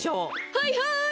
はいはい！